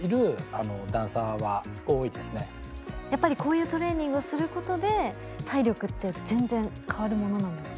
やっぱりこういうトレーニングをすることで体力って全然変わるものなんですか？